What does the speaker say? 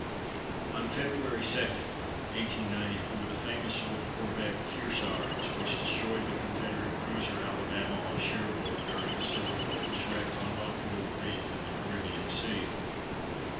On February 2, 1894, the famous old corvette, Kearsarge, which destroyed the Confederate cruiser Alabama, off Cherbourg, during the Civil War, was wrecked on Roncador reef in the Caribbean Sea.